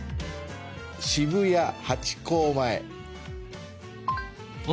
渋谷ハチ公前。